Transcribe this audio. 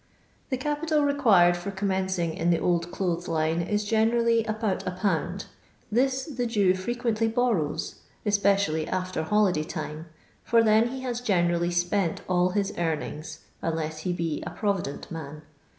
The capital required for commencing in the old clothes line is generally abont 1/. This the Jew frequently borrows, especially after holiday time, for then he has generally spent all his eam iiigd, unless he be a provident man.